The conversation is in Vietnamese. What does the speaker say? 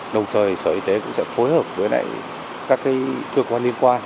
đồng thời sở y tế cũng sẽ phối hợp với các cơ quan liên quan